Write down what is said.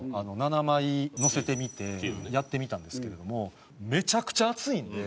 ７枚のせてみてやってみたんですけれどもめちゃくちゃ熱いんで。